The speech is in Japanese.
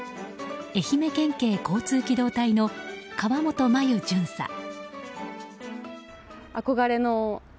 愛媛県警交通機動隊の川本真由巡査。